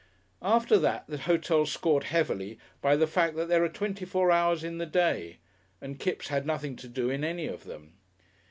After that the hotel scored heavily by the fact that there are twenty four hours in the day and Kipps had nothing to do in any of them.